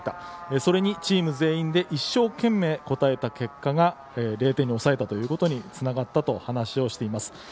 それにチーム全員で一生懸命応えた結果が０点に抑えたというところにつながったと話をしています。